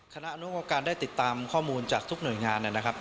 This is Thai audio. คณะอนุโอกาสการได้ติดตามข้อมูลจากทุกหน่วยงาน